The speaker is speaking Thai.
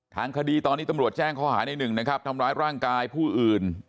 ทางคดีตอนนี้ตำรวจแจ้งข้อหาในหนึ่งนะครับทำร้ายร่างกายผู้อื่น